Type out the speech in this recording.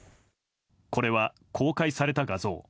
これは公開された画像。